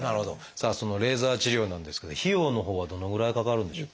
さあそのレーザー治療なんですけど費用のほうはどのぐらいかかるんでしょう？